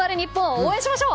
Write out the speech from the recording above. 応援しましょう！